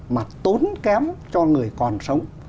mà tốn kém cho người còn sống